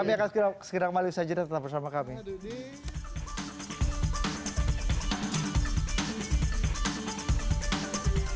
terima kasih bang edri terima kasih bang kalung